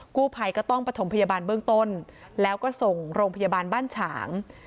กู้ภัยก็ต้องประถมพยาบาลเบื้องต้นแล้วก็ส่งโรงพยาบาลบ้านฉาง